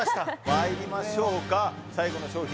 まいりましょうか最後の商品